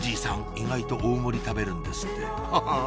意外と大盛り食べるんですってハハ！